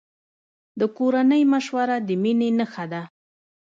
د کورنۍ مشوره د مینې نښه ده.